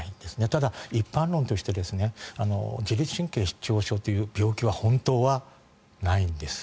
ただ、一般論として自律神経失調症という病気は本当はないんです。